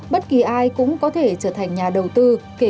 bất kỳ ai cũng có thể trở thành nhà đầu tư